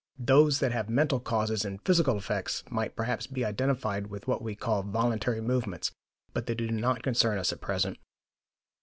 Those that have mental causes and physical effects might perhaps be identified with what we call voluntary movements; but they do not concern us at present.